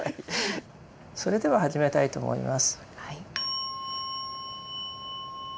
それでは始めたいと思います。